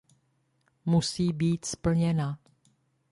Musí být splněna.